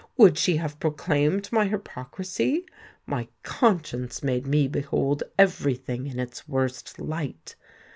would she have proclaimed my hypocrisy? My conscience made me behold every thing in its worst light.